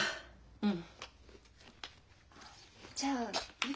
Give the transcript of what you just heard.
うん。